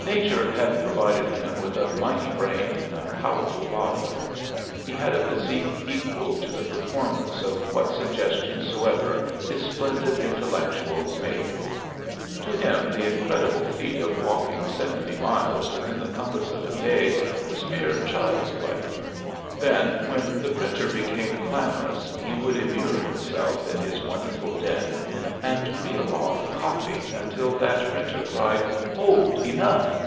Nature had provided him with a mighty brain in a powerful body; he had a physique equal to the performance of what suggestion soever his splendid intellectuals made. To him the incredible feat of walking seventy miles within the compass of a day was mere child's play; then, when the printer became clamorous, he would immure himself in his wonderful den and reel off copy until that printer cried "Hold; enough!"